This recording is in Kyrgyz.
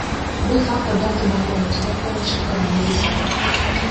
Бул факт абдан кубандырат жана бул алгачкы кадам, — деди Исаков.